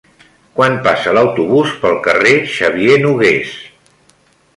Quan passa l'autobús pel carrer Xavier Nogués?